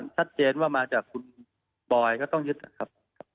ชัดเจนว่ามาจากคุณบอยก็ต้องยึดนะครับ